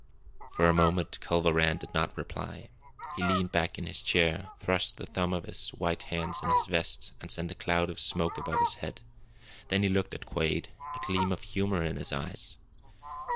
For a moment Culver Rann did not reply. He leaned back in his chair, thrust the thumbs of his white hands in his vest, and sent a cloud of smoke above his head. Then he looked at Quade, a gleam of humour in his eyes.